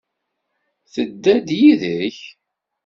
Tedda-d yid-k?